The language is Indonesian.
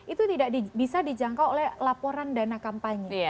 itu tidak bisa dijangkau oleh laporan dana kampanye